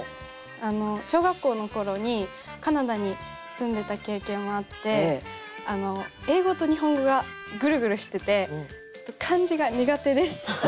小学校の頃にカナダに住んでた経験もあって英語と日本語がグルグルしててちょっと漢字が苦手です。